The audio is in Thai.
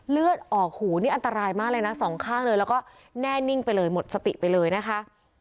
เลือดออกหูนี่อันตรายมากเลยนะสองข้างเลยแล้วก็แน่นิ่งไปเลยหมดสติไปเลยนะคะ